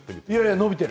伸びてる。